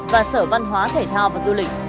và sở văn hóa thể thao và du lịch